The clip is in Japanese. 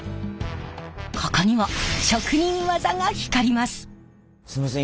ここにも職人技が光ります。